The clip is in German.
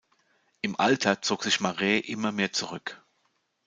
Im Alter zog sich Marais immer mehr zurück.